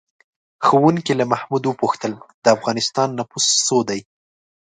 ښوونکي له محمود وپوښتل: د افغانستان نفوس څو دی؟